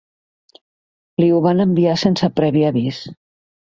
Li ho van enviar sense previ avís.